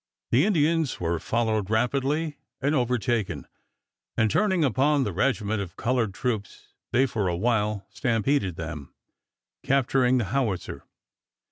The Indians were followed rapidly and overtaken, and turning upon the regiment of colored troops they for awhile stampeded them, capturing the howitzer.